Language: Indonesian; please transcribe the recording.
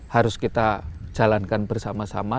harus kita jalankan bersama sama